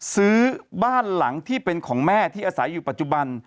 ซื้อบ้านหลังที่เป็นของแม่ที่อาศัยอยู่ปัจจุบัน